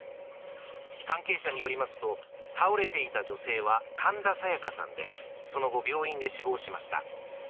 関係者によりますと、倒れていた女性は神田沙也加さんで、その後、病院で死亡しました。